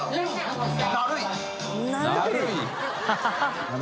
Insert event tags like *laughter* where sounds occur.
ハハハ *laughs*